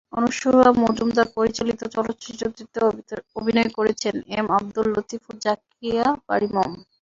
অনসূয়া মজুমদার পরিচালিত চলচ্চিত্রটিতে অভিনয় করেন এম. আবদুল লতিফ এবং জাকিয়া বারী মম।